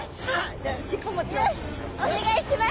じゃあ尻尾持ちます。